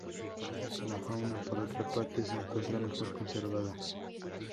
La fauna, por otra parte, se encuentra mejor conservada.